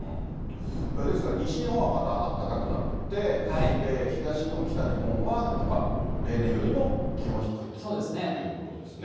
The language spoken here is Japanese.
ですから、西日本はまたあったかくなって、東日本、北日本はやっぱ例年よりも気温が低いということですね。